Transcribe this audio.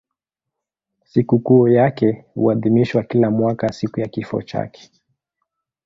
Sikukuu yake huadhimishwa kila mwaka siku ya kifo chake.